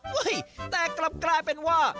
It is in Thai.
แต่กลับกลายเป็นว่า